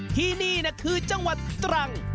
ที่นี่คือจังหวัดตรัง